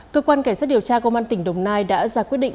cơ quan cảnh sát điều tra công an tỉnh đồng nai đã ra quyết định